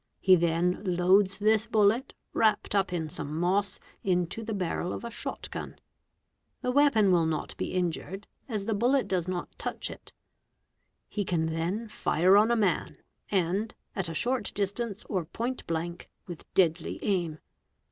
He then loads this bullet, wrapped up in some moss, into the barrel of a shot gun ; the weapon will not be injured, as the bullet does not touch it; he can then fire on a man, and, at a short distance or point blank, with a deadly aim.